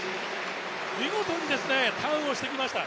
見事にターンをしてきました。